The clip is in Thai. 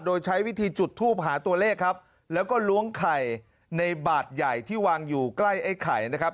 โดยใช้วิธีจุดทูปหาตัวเลขครับแล้วก็ล้วงไข่ในบาทใหญ่ที่วางอยู่ใกล้ไอ้ไข่นะครับ